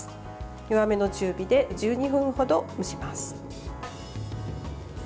弱めの中火で１２分ほど蒸します。